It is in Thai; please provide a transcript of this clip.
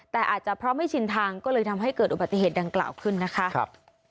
แต่อาจจะเพราะไม่ชินทางก็เลยทำให้เกิดอุบัติเหตุดังกล่าวขึ้นนะคะ